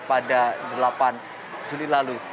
pada delapan juli lalu